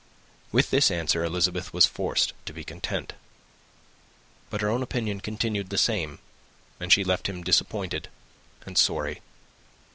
With this answer Elizabeth was forced to be content; but her own opinion continued the same, and she left him disappointed and sorry.